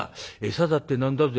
餌だって何だぜ？